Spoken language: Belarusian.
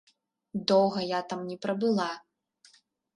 Доўга я там не прабыла.